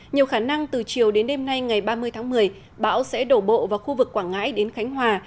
nhiều khả năng từ chiều đến đêm nay ngày ba mươi tháng một mươi bão sẽ đổ bộ vào khu vực quảng ngãi đến khánh hòa